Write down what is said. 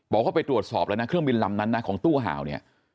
บอกว่าไปตรวจสอบแล้วนะเครื่องบินลำนั้นนะของตู้ห่าวเนี่ย